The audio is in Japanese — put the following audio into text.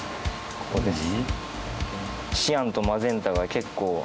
ここです。